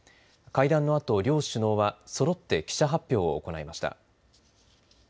会談のあと、両首脳はそろって記者発表を行いました。